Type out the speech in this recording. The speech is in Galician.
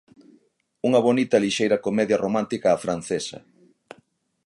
Unha bonita e lixeira comedia romántica á francesa.